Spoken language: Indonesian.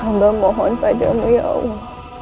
hamba mohon padamu ya allah